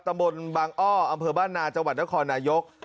ตะบนบางอ้ออำเภอบ้านนาจังหวัดและขอนายก